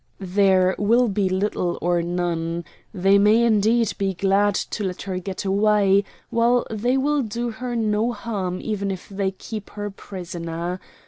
"There will be little or none. They may indeed be glad to let her get away, while they will do her no harm even if they keep her prisoner.